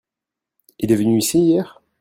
Il est venu ici hier ?